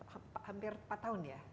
hampir empat tahun ya